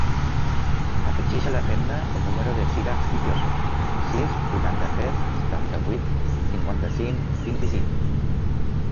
Afegeix a l'agenda el número del Siraj Vicioso: sis, vuitanta-tres, setanta-vuit, cinquanta-cinc, vint-i-cinc.